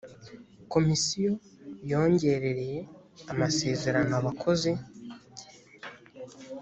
komisiyo yongerereye amasezerano abakozi